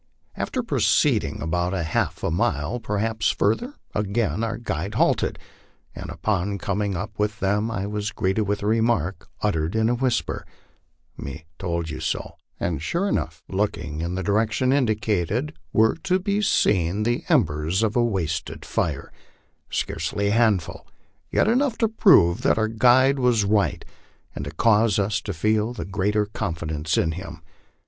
After proceeding about half a mile, perhaps further, again our guides halted, and upon coming up with them I was greeted with the remark, uttered in a whisper, "Me told you so; " and sure enough, looking in the direction indicated, were to be seen the em bers of a wasted fire, scarcely a handful, yet enough to prove that our guide was right, and to cause us to feel the greater confidence in him.